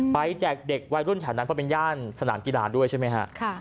แจกเด็กวัยรุ่นแถวนั้นเพราะเป็นย่านสนามกีฬาด้วยใช่ไหมฮะ